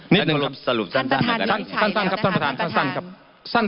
นิดนึงครับท่านประธานนิดนึงครับท่านประธานครับท่านประธาน